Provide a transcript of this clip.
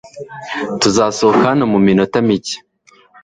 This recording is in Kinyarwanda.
Tuzasohoka hano muminota mike.